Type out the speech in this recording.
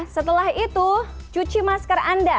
setelah itu cuci masker anda